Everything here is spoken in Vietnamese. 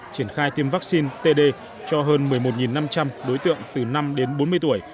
triển khai tiêm vaccine td cho hơn một mươi một năm trăm linh đối tượng từ năm đến bốn mươi tuổi